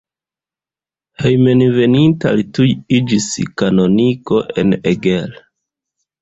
Hejmenveninta li tuj iĝis kanoniko en Eger.